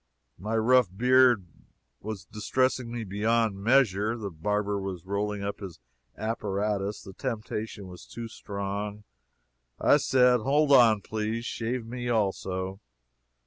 My rough beard wee distressing me beyond measure. The barber was rolling up his apparatus. The temptation was too strong. I said: "Hold on, please. Shave me also."